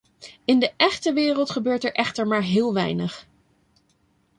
In de echte wereld gebeurt er echter maar heel weinig.